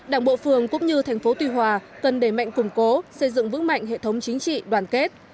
đảng bộ phường cũng như thành phố tuy hòa cần đẩy mạnh củng cố xây dựng vững mạnh hệ thống chính trị đoàn kết